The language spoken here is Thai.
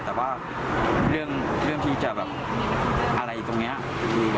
แต่ว่าเรื่องนี้อะไรตรงเนี้ย